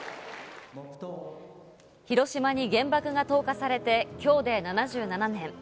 広島に原爆が投下されてきょうで７７年。